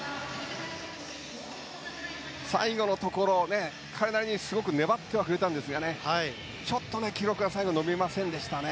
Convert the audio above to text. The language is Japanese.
最後のところすごく粘ってくれたんですけどちょっと記録が最後伸びませんでした。